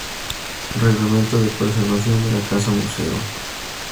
Reglamento de preservación de la Casa Museo